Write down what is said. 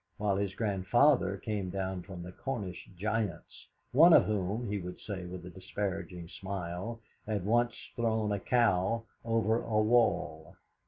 while his grandfather came down from the Cornish giants, one of whom, he would say with a disparaging smile, had once thrown a cow over a wall.